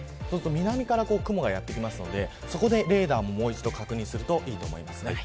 南から雲がやってくるのでそこでレーダーをもう一度確認するといいと思います。